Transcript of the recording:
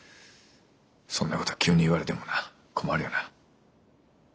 そんなこと急に言われてもな困るよな。